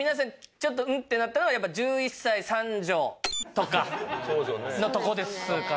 ちょっと「ん？」ってなったのはやっぱ「１１才三女」とかのとこですかね？